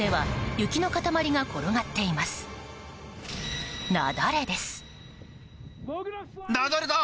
雪崩です。